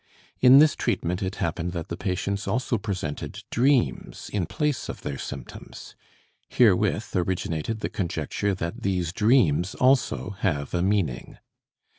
In this treatment it happened that the patients also presented dreams in place of their symptoms. Herewith originated the conjecture that these dreams also have a meaning.